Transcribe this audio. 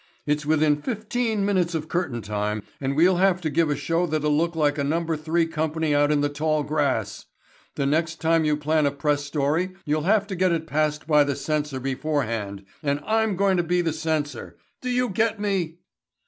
"It's within fifteen minutes of curtain time, and we'll have to give a show that'll look like a Number Three company out in the tall grass. The next time you plan a press story you'll have to get it passed by the censor beforehand and I'm going to be the censor. Do you get me?"